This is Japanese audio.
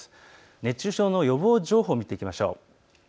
熱中症の予防情報を見ていきましょう。